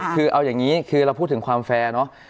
ก็คือเอาแบบนี้คือก็เราพูดถึงความแฟร์เนาะ